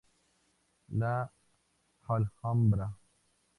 La Alhambra.